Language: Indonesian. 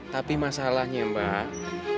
tapi masalahnya mbak